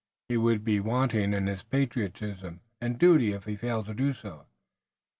He would be wanting in his patriotism and duty if he failed to do so.